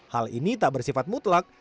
hal ini tak bersifat mutlak